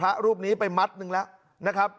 พระอยู่ที่ตะบนมไพรครับ